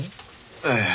ええ。